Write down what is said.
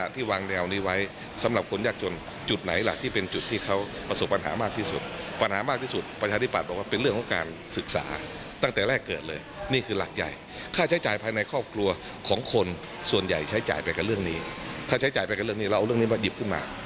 ถ้าใช้จ่ายไปกับเรื่องนี้แล้วเอาเรื่องนี้มาหยิบขึ้นมา